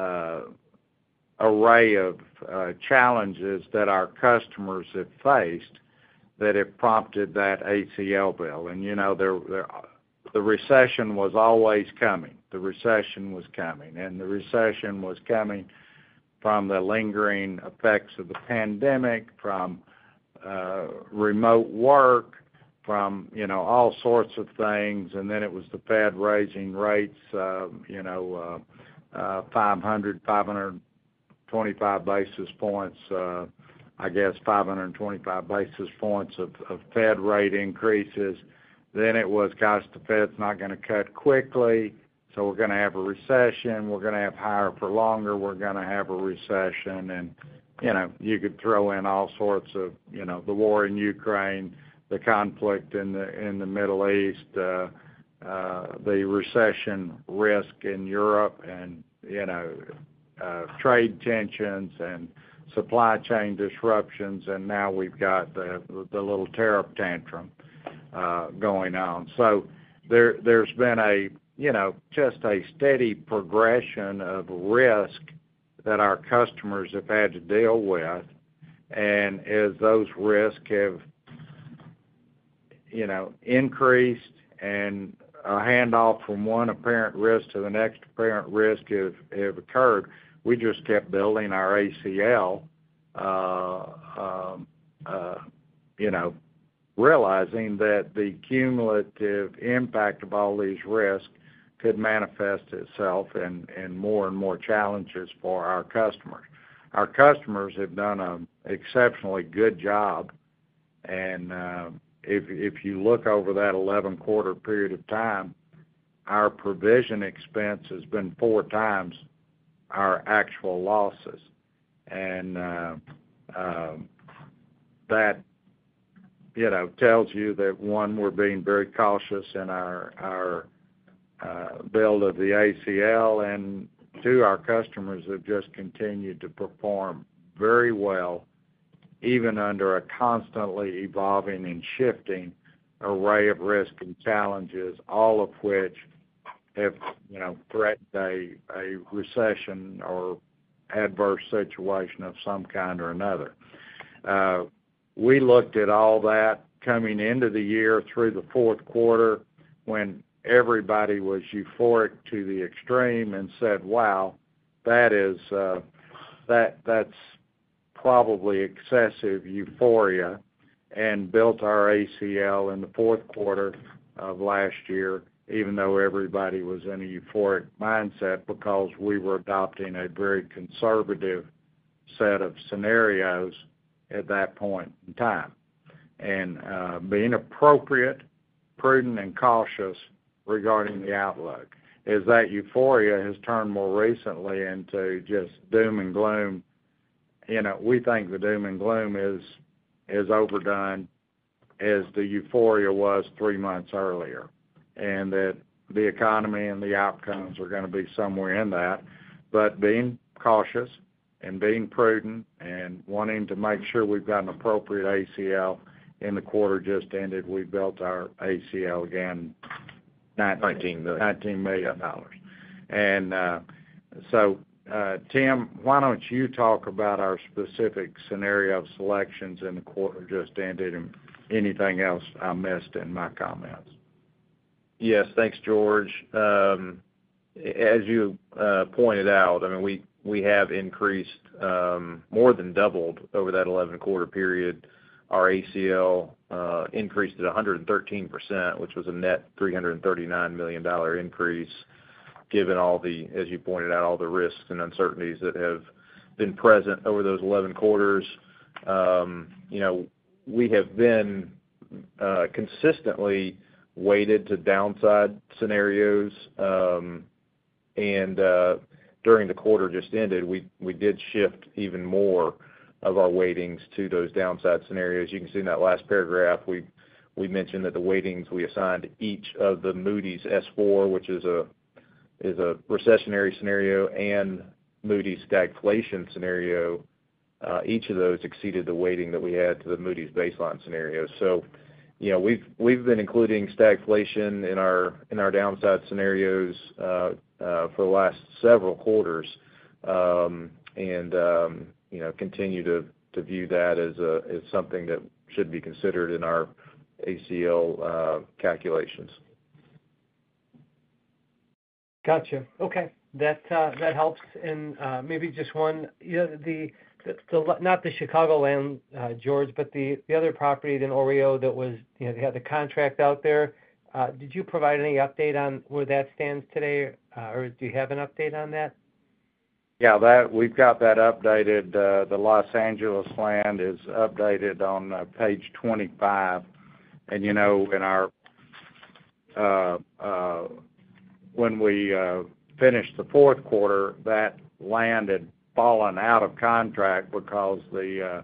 D: of challenges that our customers have faced that have prompted that ACL build. The recession was always coming. The recession was coming. The recession was coming from the lingering effects of the pandemic, from remote work, from all sorts of things. It was the Fed raising rates 500, 525 basis points, I guess 525 basis points of Fed rate increases. It was, gosh, the Fed's not going to cut quickly, so we're going to have a recession. We're going to have higher for longer. We're going to have a recession. You could throw in all sorts of the war in Ukraine, the conflict in the Middle East, the recession risk in Europe, and trade tensions and supply chain disruptions. Now we've got the little tariff tantrum going on. There has been just a steady progression of risk that our customers have had to deal with. As those risks have increased and a handoff from one apparent risk to the next apparent risk has occurred, we just kept building our ACL, realizing that the cumulative impact of all these risks could manifest itself in more and more challenges for our customers. Our customers have done an exceptionally good job. If you look over that 11-quarter period of time, our provision expense has been four times our actual losses. That tells you that, one, we're being very cautious in our build of the ACL. Two, our customers have just continued to perform very well, even under a constantly evolving and shifting array of risks and challenges, all of which have threatened a recession or adverse situation of some kind or another. We looked at all that coming into the year through the fourth quarter when everybody was euphoric to the extreme and said, "Wow, that's probably excessive euphoria," and built our ACL in the fourth quarter of last year, even though everybody was in a euphoric mindset because we were adopting a very conservative set of scenarios at that point in time. Being appropriate, prudent, and cautious regarding the outlook. As that euphoria has turned more recently into just doom and gloom, we think the doom and gloom is overdone as the euphoria was three months earlier, and that the economy and the outcomes are going to be somewhere in that. Being cautious and being prudent and wanting to make sure we've got an appropriate ACL in the quarter just ended, we built our ACL again.
H: $19 million.
D: $19 million. Tim, why do not you talk about our specific scenario of selections in the quarter just ended and anything else I missed in my comments?
H: Yes. Thanks, George. As you pointed out, I mean, we have increased more than doubled over that 11-quarter period. Our ACL increased at 113%, which was a net $339 million increase, given all the, as you pointed out, all the risks and uncertainties that have been present over those 11 quarters. We have been consistently weighted to downside scenarios. During the quarter just ended, we did shift even more of our weightings to those downside scenarios. You can see in that last paragraph, we mentioned that the weightings we assigned each of the Moody's S4, which is a recessionary scenario, and Moody's stagflation scenario, each of those exceeded the weighting that we had to the Moody's baseline scenario. We have been including stagflation in our downside scenarios for the last several quarters and continue to view that as something that should be considered in our ACL calculations.
N: Gotcha. Okay. That helps. Maybe just one, not the Chicago land, George, but the other property in OREO that had the contract out there, did you provide any update on where that stands today, or do you have an update on that?
D: Yeah. We've got that updated. The Los Angeles land is updated on page 25. When we finished the fourth quarter, that land had fallen out of contract because the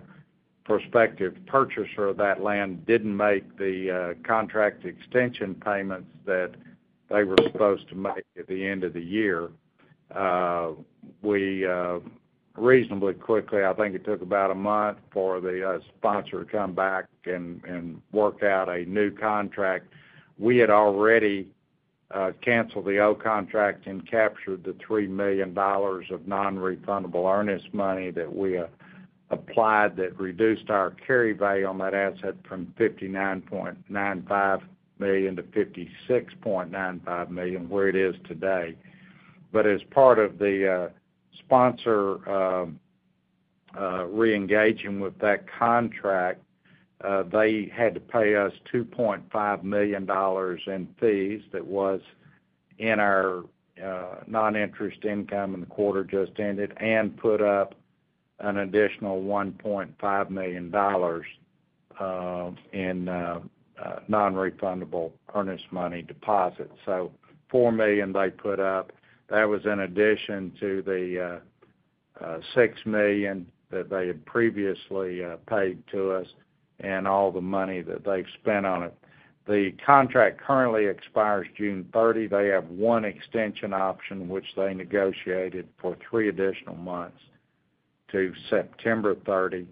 D: prospective purchaser of that land did not make the contract extension payments that they were supposed to make at the end of the year. Reasonably quickly, I think it took about a month for the sponsor to come back and work out a new contract. We had already canceled the old contract and captured the $3 million of non-refundable earnest money that we applied that reduced our carry value on that asset from $59.95 million to $56.95 million, where it is today. As part of the sponsor re-engaging with that contract, they had to pay us $2.5 million in fees that was in our non-interest income in the quarter just ended and put up an additional $1.5 million in non-refundable earnest money deposit. So $4 million they put up. That was in addition to the $6 million that they had previously paid to us and all the money that they've spent on it. The contract currently expires June 30. They have one extension option, which they negotiated for three additional months to September 30.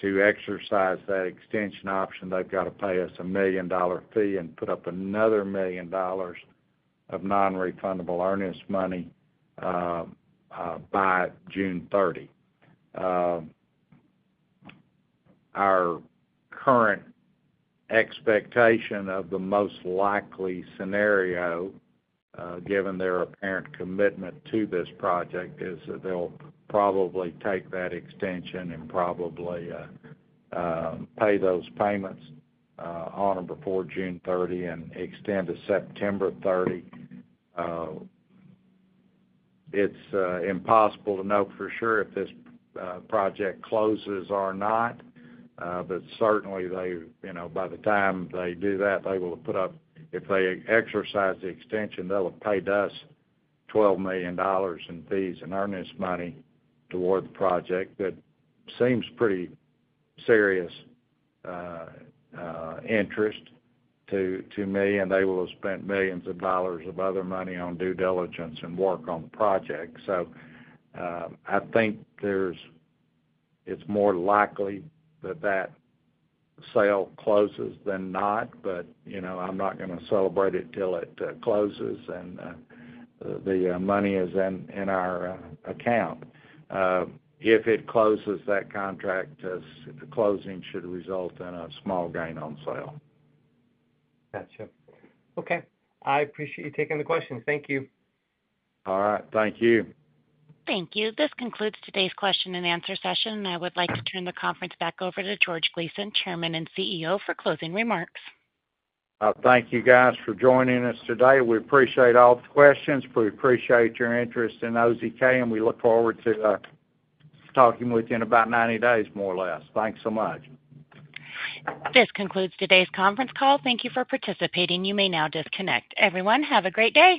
D: To exercise that extension option, they've got to pay us a $1 million fee and put up another $1 million of non-refundable earnest money by June 30. Our current expectation of the most likely scenario, given their apparent commitment to this project, is that they'll probably take that extension and probably pay those payments on or before June 30 and extend to September 30. It's impossible to know for sure if this project closes or not, but certainly by the time they do that, they will put up, if they exercise the extension, they'll have paid us $12 million in fees and earnest money toward the project. That seems pretty serious interest to me, and they will have spent millions of dollars of other money on due diligence and work on the project. I think it's more likely that that sale closes than not, but I'm not going to celebrate it till it closes and the money is in our account. If it closes that contract, the closing should result in a small gain on sale.
B: Gotcha. Okay. I appreciate you taking the questions. Thank you.
D: All right. Thank you.
A: Thank you. This concludes today's question-and-answer session. I would like to turn the conference back over to George Gleason, Chairman and CEO, for closing remarks.
D: Thank you, guys, for joining us today. We appreciate all the questions. We appreciate your interest in OZK, and we look forward to talking with you in about 90 days, more or less. Thanks so much.
A: This concludes today's conference call. Thank you for participating. You may now disconnect. Everyone, have a great day.